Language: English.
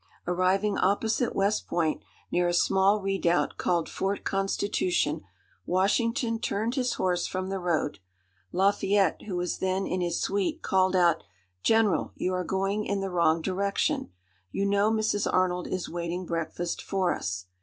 Arriving opposite West Point, near a small redoubt called Fort Constitution, Washington turned his horse from the road. Lafayette, who was then in his suite, called out, "General, you are going in the wrong direction; you know Mrs. Arnold is waiting breakfast for us."